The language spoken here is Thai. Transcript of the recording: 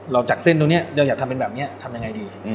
จากเส้นตรงนี้เราอยากทำเป็นแบบนี้ทำยังไงดี